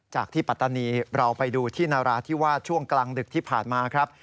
จากที่ปัตตานีเราไปดูที่นราธิวาสช่วงกลางดึกที่ผ่านมาครับ